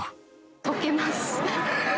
溶けます。